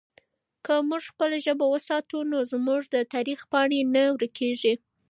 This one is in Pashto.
که موږ خپله ژبه وساتو نو زموږ د تاریخ پاڼې نه ورکېږي.